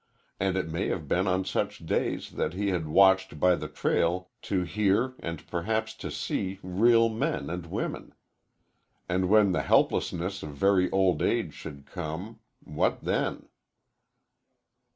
and it may have been on such days that he had watched by the trail to hear and perhaps to see real men and women. And when the helplessness of very old age should come what then?